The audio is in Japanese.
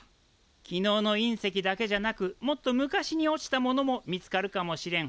昨日の隕石だけじゃなくもっと昔に落ちたものも見つかるかもしれん。